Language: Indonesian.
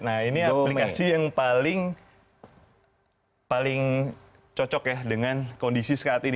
nah ini aplikasi yang paling cocok ya dengan kondisi saat ini